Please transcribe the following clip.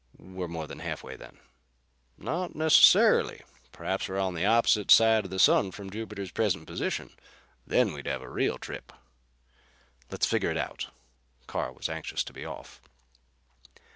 "We're more than half way, then." "Not necessarily. Perhaps we're on the opposite side of the sun from Jupiter's present position. Then we'd have a real trip." "Let's figure it out." Carr was anxious to be off.